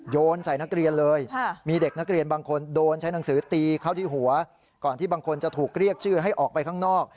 ใส่นักเรียนเลยมีเด็กนักเรียนบางคนโดนใช้หนังสือตีเข้าที่หัวก่อนที่บางคนจะถูกเรียกชื่อให้ออกไปข้างนอก